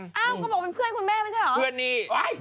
เขาบอกเป็นเพื่อนคุณแม่ไม่ใช่เหรอ